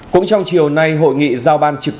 cũng trong chiều nay hội nghị giao ban trực